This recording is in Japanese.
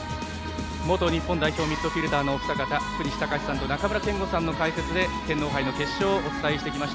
元日本代表ミッドフィールダーのお二方福西崇史さんと中村憲剛さんの解説で天皇杯の決勝をお伝えしてきました。